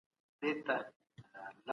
دوا باید په وخت وخوړل شي.